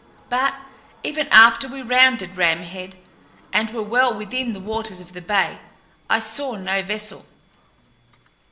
But even after we rounded Ram Head and were well within the waters of the bay I saw no vessel.